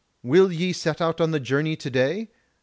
Will ye set out on the journey to day?